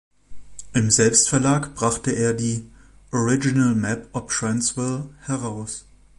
Im Selbstverlag brachte er die "Original Map of Transvaal" heraus.